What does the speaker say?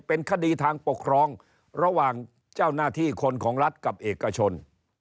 เป็นคดีทางปกครองระหว่างเจ้าหน้าที่คนของรัฐกับเอกชน